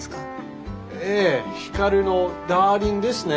ええ光のダーリンですね。